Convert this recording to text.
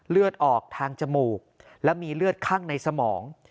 เลือดออกทางจมูกและมีเลือดคั่งในสมอง